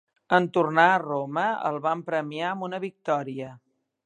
En tornar a Roma, el van premiar amb una victòria.